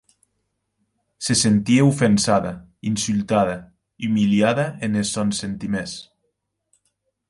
Se sentie ofensada, insultada, umiliada enes sòns sentiments.